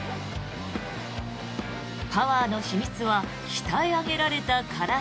パワーの秘密は鍛え上げられた体。